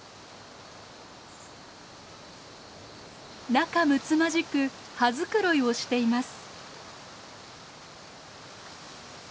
仲むつまじく羽繕いをしています。